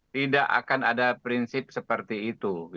tidak akan ada prinsip seperti itu